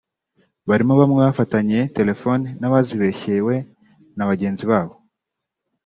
barimo bamwe bafatanye téléphones n’abazibeshyewe na bagenzi babo